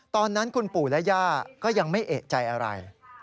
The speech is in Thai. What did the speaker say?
ตอนนั้นคุณปู่และย่าก็ยังไม่เอกใจอะไร